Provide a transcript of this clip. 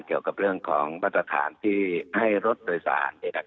เกี่ยวกับเรื่องของมาตรฐานที่ให้รถโดยสาร